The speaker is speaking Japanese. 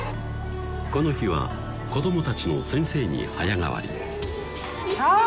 この日は子供たちの先生に早変わりそう！